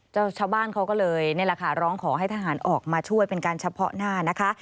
เจ้าชาวบ้านเขาก็เลยร้องขอให้ทหารออกมาช่วยเป็นการเฉพาะหน้านะคะ